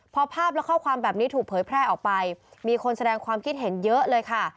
พอภาพและข้อความแบบนี้ถูกเผยแพร่ออกไปมีคนแสดงความคิดเห็นเยอะเลยค่ะ